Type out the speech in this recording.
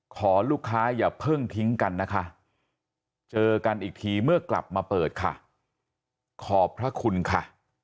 ขอลูกค้าอย่าเพิ่งทิ้งกันนะคะเจอกันอีกทีเมื่อกลับมาเปิดค่ะขอบพระคุณค่ะ